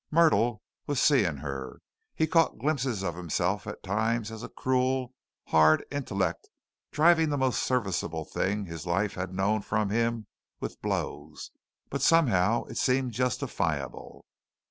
Myrtle was seeing her. He caught glimpses of himself at times as a cruel, hard intellect driving the most serviceable thing his life had known from him with blows, but somehow it seemed justifiable.